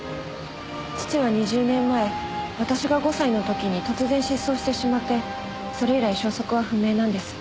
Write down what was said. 父は２０年前私が５歳の時に突然失踪してしまってそれ以来消息は不明なんです。